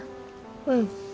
うん。